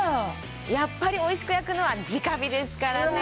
やっぱりおいしく焼くのは直火ですからね。